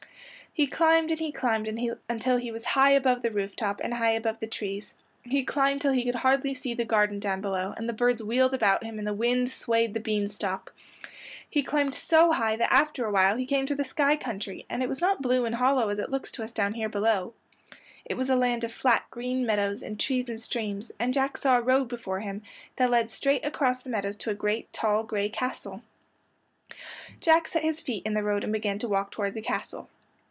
He climbed and he climbed until he was high above the roof top and high above the trees. He climbed till he could hardly see the garden down below, and the birds wheeled about him and the wind swayed the bean stalk. He climbed so high that after awhile he came to the sky country, and it was not blue and hollow as it looks to us down here below. It was a land of flat green meadows and trees and streams, and Jack saw a road before him that led straight across the meadows to a great tall gray castle. Jack set his feet in the road and began to walk toward the castle.